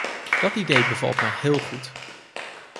Dat idee bevalt mij heel goed.